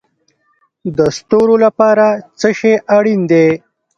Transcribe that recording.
د ستورو لپاره څه شی اړین دی؟